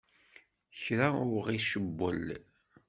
Kra ur ɣ-icewwel.